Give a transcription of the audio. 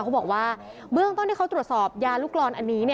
เขาบอกว่าเบื้องต้นที่เขาตรวจสอบยาลูกรอนอันนี้